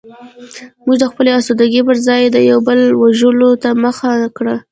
موږ د خپلې اسودګۍ پرځای د یو بل وژلو ته مخه کړه